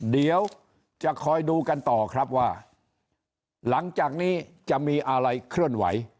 เดี๋ยวจะคอยดูกันต่อครับว่าหลังจากนี้จะมีอะไรเคลื่อนไหว